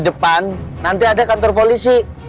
depan nanti ada kantor polisi